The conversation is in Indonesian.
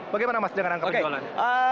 bagaimana mas dengan angka pencairan